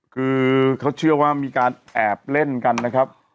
คือเขาเชื่อว่ามีการแอบเล่นกันนะครับ